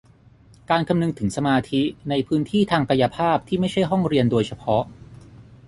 การคำนึงถึงสมาธิในพื้นที่ทางกายภาพที่ไม่ใช่ห้องเรียนโดยเฉพาะ